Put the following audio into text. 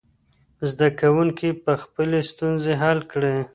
زده کوونکي به خپلې ستونزې حل کړي.